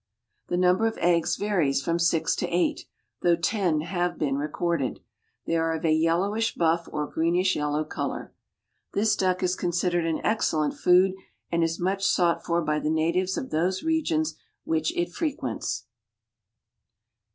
The number of eggs varies from six to eight, though ten have been recorded. They are of a "yellowish buff or greenish yellow" color. This duck is considered an excellent food and is much sought for by the natives of those regions which it frequents.